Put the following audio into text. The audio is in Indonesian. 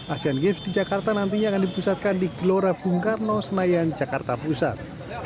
asian games di jakarta nantinya akan dipusatkan di gelora bung karno senayan jakarta pusat